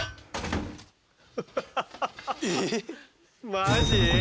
マジ？